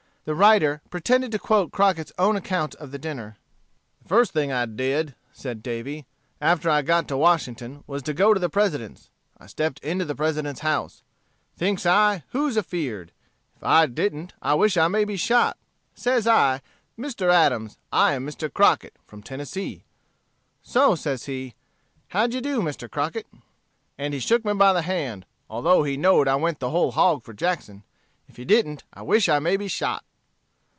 The writer pretended to quote Crockett's own account of the dinner. "The first thing I did," said Davy, "after I got to Washington, was to go to the President's. I stepped into the President's house. Thinks I, who's afeard. If I didn't, I wish I may be shot. Says I, 'Mr. Adams, I am Mr. Crockett, from Tennessee.' So, says he, 'How d'ye do, Mr. Crockett?' And he shook me by the hand, although he know'd I went the whole hog for Jackson. If he didn't, I wish I may be shot.